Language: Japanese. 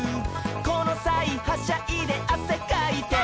「このさいはしゃいであせかいて」